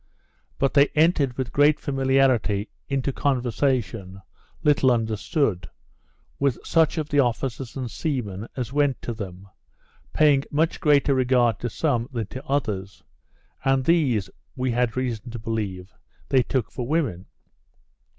But they entered, with great familiarity, into conversation (little understood) with such of the officers and seamen as went to them, paying much greater regard to some than to others; and these, we had reason to believe, they took for women.